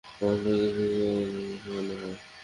ভদ্রলোকের কিছু তো বদলে গিয়েছে মনে হয়।